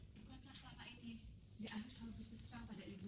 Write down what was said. bukankah selama ini di arif selalu berspistera pada ibu